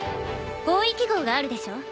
方位記号があるでしょ？